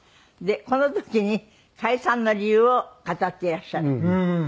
でこの時に解散の理由を語っていらっしゃる。